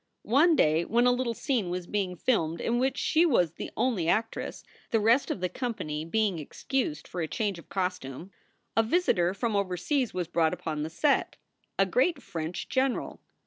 One day when a little scene was being filmed in which she was the only actress, the rest of the company being excused for a change of costume, a visitor from overseas was brought upon the set, a great French general.